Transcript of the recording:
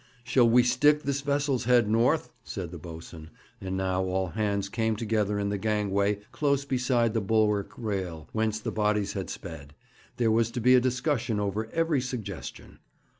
'Shall we stick this vessel's head north?' said the boatswain, and now all hands came together in the gangway close beside the bulwark rail, whence the bodies had sped; there was to be a discussion over every suggestion.